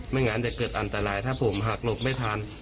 งั้นจะเกิดอันตรายถ้าผมหักหลบไม่ทัน